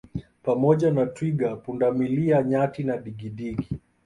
Pamoja na Twiga pundamilia Nyati na digidigi